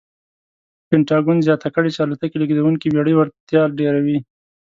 پنټاګون زیاته کړې چې الوتکې لېږدونکې بېړۍ وړتیا ډېروي.